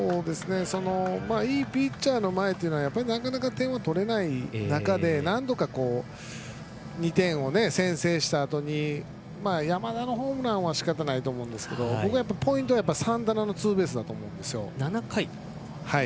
いいピッチャーの前というのはなかなか点を取れない中でなんとか２点を先制したあとに山田のホームランはしかたがないと思うんですけれどもポイントはサンタナのツーベースだと思うんですよ。